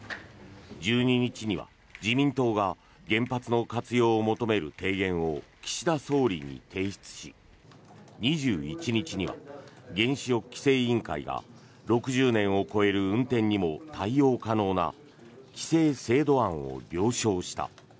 １２日には自民党が原発の活用を求める提言を岸田総理に提出し２１日には原子力規制委員会が６０年を超える運転にも対応可能な規制制度案を了承した。